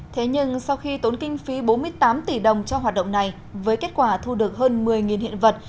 thế nhưng sau khi tốn kinh phí bốn mươi tám tỷ đồng cho hoạt động này với kết quả thu được hơn một mươi hiện vật